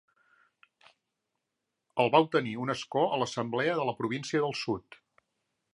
El va obtenir un escó a l'Assemblea de la Província del Sud.